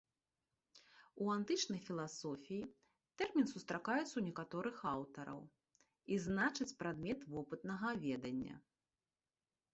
У антычнай філасофіі тэрмін сустракаецца ў некаторых аўтараў і значыць прадмет вопытнага ведання.